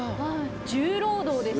重労働ですね。